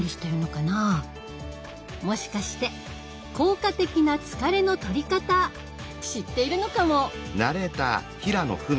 もしかして効果的な疲れの取り方知っているのかも。